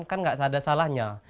kan gak ada salahnya